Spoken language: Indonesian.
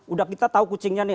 udah kita tahu kucingnya nih